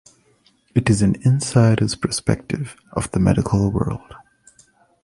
It is an insider's perspective of the medical world.